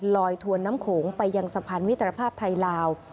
ถวนน้ำโขงไปยังสะพานมิตรภาพไทยลาว